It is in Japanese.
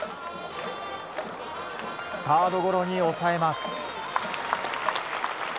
サードゴロに抑えます。